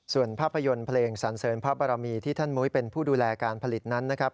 ส่วนภาพยนตร์เพลงสันเสริญพระบรมีที่ท่านมุ้ยเป็นผู้ดูแลการผลิตนั้นนะครับ